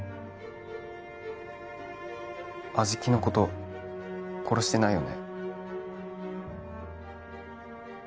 安食のこと殺してないよね？